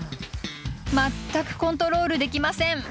全くコントロールできません。